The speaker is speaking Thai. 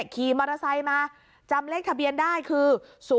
ขี่มอเตอร์ไซค์มาจำเลขทะเบียนได้คือ๐๔